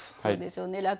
そうですよね。